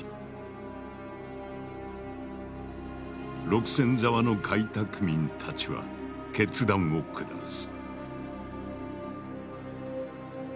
六線沢の開拓民たちは決断を下す。